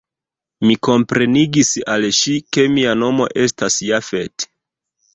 Mi komprenigis al ŝi, ke mia nomo estas Jafet.